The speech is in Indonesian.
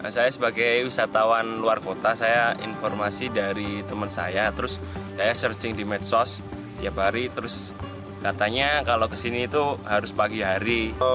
saya sebagai wisatawan luar kota saya informasi dari teman saya terus saya searching di medsos tiap hari terus katanya kalau kesini itu harus pagi hari